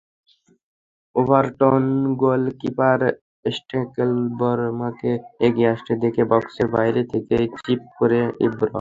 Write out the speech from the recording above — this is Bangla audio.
এভারটন গোলকিপার স্টেকেলেনবার্গকে এগিয়ে আসতে দেখে বক্সের বাইরে থেকেই চিপ করেন ইব্রা।